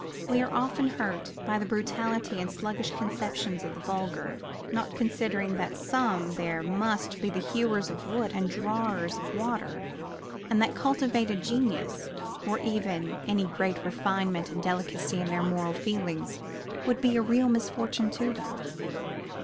We are often hurt by the brutality and sluggish conceptions of the vulgar; not considering that some there must be to be hewers of wood and drawers of water, and that cultivated genius, or even any great refinement and delicacy in their moral feelings, would be a real misfortune to them.